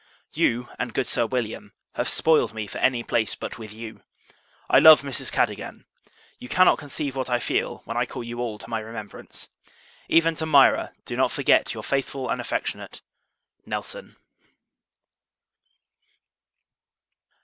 You, and good Sir William, have spoiled me for any place but with you. I love Mrs. Cadogan. You cannot conceive what I feel, when I call you all to my remembrance. Even to Mira, do not forget your faithful and affectionate NELSON.